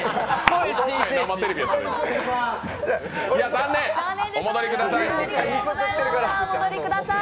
残念、お戻りください。